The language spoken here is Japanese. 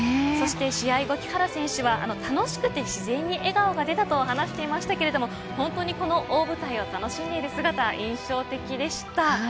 そして試合後木原選手は楽しくて自然に笑顔が出たと話していましたけれど本当にこの大舞台を楽しんでいる姿、印象的でした。